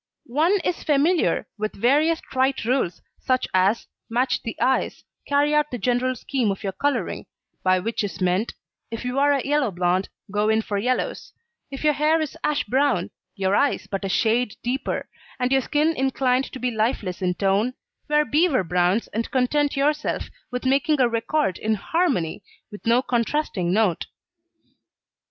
One is familiar with various trite rules such as match the eyes, carry out the general scheme of your colouring, by which is meant, if you are a yellow blond, go in for yellows, if your hair is ash brown, your eyes but a shade deeper, and your skin inclined to be lifeless in tone, wear beaver browns and content yourself with making a record in harmony, with no contrasting note.